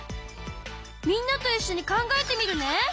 みんなといっしょに考えてみるね！